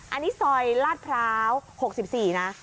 อันนี้ซอยลาดพร้าว๖๔นะ